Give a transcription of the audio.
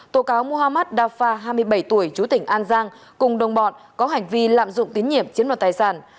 tổ cáo muhammad dafa hai mươi bảy tuổi chú tỉnh an giang cùng đồng bọn có hành vi lạm dụng tiến nhiệm chiếm đoạt tài sản